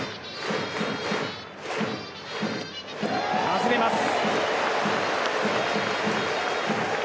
外れます。